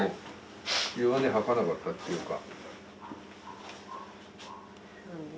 弱音吐かなかったっていうか。